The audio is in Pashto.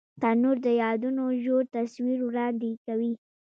تنور د یادونو ژور تصویر وړاندې کوي